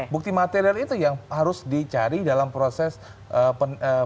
bukti material itu yang harus dicari dalam proses penyelidikan